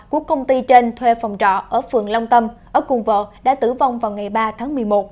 của công ty trên thuê phòng trọ ở phường long tâm ở cùng vợ đã tử vong vào ngày ba tháng một mươi một